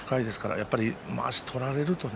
やっぱりまわしを取られるとね。